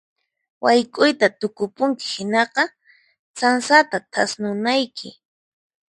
Wayk'uyta tukupunki hinaqa sansata thasnunayki.